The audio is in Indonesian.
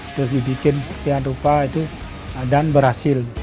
terus dibikin seperti yang rupa itu dan berhasil